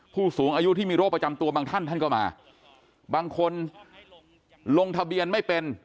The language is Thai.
ผู้สูงอายุที่มีโรคประจำตัวบางท่านท่านก็มาบางคนลงทะเบียนไม่เป็น